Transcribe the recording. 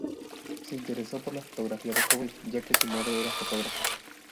Se interesó por la fotografía de joven ya que su madre era fotógrafa.